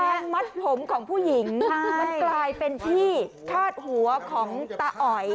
มัดผมของผู้หญิงมันกลายเป็นที่คาดหัวของตาอ๋อย